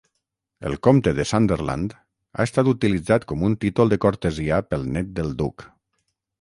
El Comte de Sunderland ha estat utilitzat com un títol de cortesia pel net del Duc.